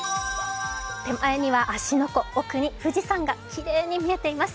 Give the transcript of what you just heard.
手前には芦ノ湖、奥には富士山がきれいに見えています。